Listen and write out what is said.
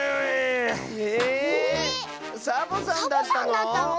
ええっサボさんだったの⁉